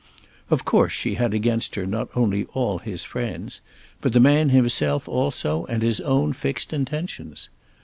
Of course she had against her not only all his friends, but the man himself also and his own fixed intentions.